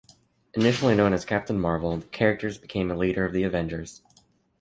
Initially known as Captain Marvel, the character became a leader of the Avengers.